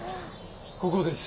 ここです。